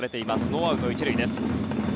ノーアウト、１塁です。